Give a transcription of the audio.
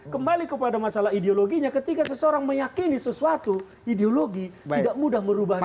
kembali kepada masalah ideologinya ketika seseorang meyakini sesuatu ideologi tidak mudah merubahnya